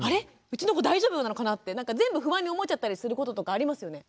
うちの子大丈夫なのかなって全部不安に思っちゃったりすることとかありますよね。